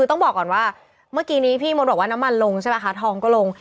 ต้องบอกก่อนว่าเมื่อกี้นี้พี่โมนบอกว่าน้ำมันลงทองก็ลง